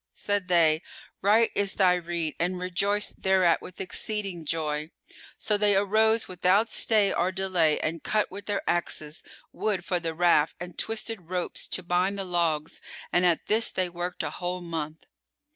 Said they, "Right is thy rede," and rejoiced thereat with exceeding joy. So they arose without stay or delay and cut with their axes wood for the raft and twisted ropes to bind the logs and at this they worked a whole month.